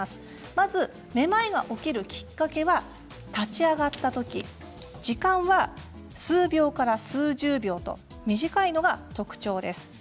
まずめまいが起こるきっかけは立ち上がった時時間は数秒から数十秒短いのが特徴です。